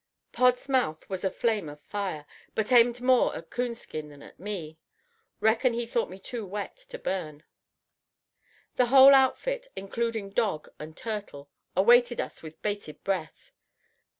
Pod's mouth was a flame of fire, but aimed more at Coonskin than at me. Reckon he thought me too wet to burn. The whole outfit, including dog and turtle, awaited us with bated breath.